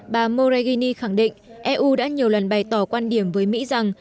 bà moraigini khẳng định eu đã nhiều lần bày tỏ quan điểm với mỹ rằng